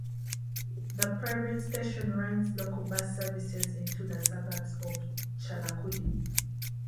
The private station runs local bus services into the suburbs of Chalakudy.